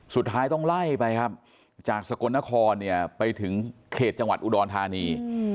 สุดท้ายต้องไล่ไปครับจากสกลนครเนี่ยไปถึงเขตจังหวัดอุดรธานี